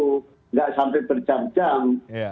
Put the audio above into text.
tidak sampai berjam jam